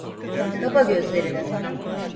Kapa gözlerini.